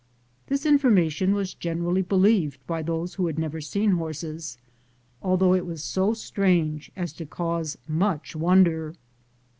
This infor mation was generally believed by those who had never seen horses, although it was so strange as to cause much wonder.